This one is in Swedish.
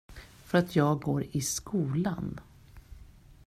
För att jag går i skolan.